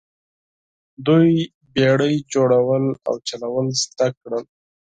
دوی بیړۍ جوړول او چلول زده کړل.